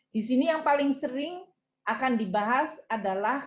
di sini yang paling sering akan dibahas adalah